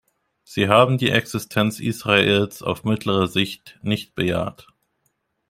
Sie haben die Existenz Israels auf mittlere Sicht nicht bejaht.